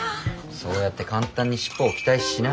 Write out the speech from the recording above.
そうやって簡単に尻尾を期待しない。